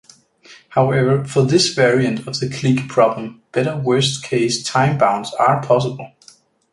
However, for this variant of the clique problem better worst-case time bounds are possible.